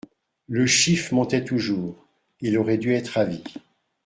Le chiffre montait toujours, il aurait dû être ravi.